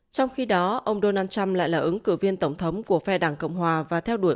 trong khi đó ông donald trump lại là ứng cử viên tổng thống của phe đảng cộng hòa